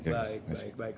baik baik baik